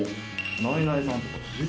ナイナイさんとか？